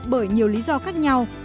bởi nhiều lý do khác nhau